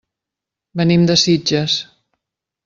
Venim de Sitges.